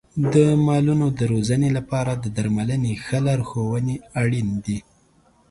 د مالونو د روزنې لپاره د درملنې ښه لارښونې اړین دي.